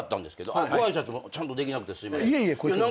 ご挨拶もちゃんとできなくてすいません。